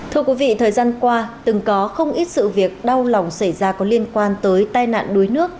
thưa quý vị thời gian qua từng có không ít sự việc đau lòng xảy ra có liên quan tới tai nạn đuối nước